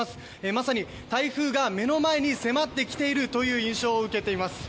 まさに、台風が目の前に迫ってきているという印象を受けています。